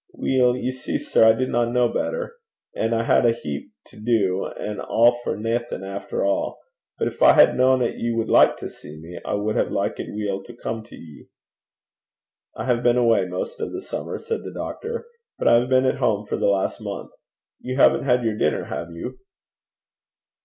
'Weel, ye see, sir, I didna ken better. An' I had a heap to do, an' a' for naething, efter a'. But gin I had kent 'at ye wad like to see me, I wad hae likit weel to come to ye.' 'I have been away most of the summer,' said the doctor; 'but I have been at home for the last month. You haven't had your dinner, have you?'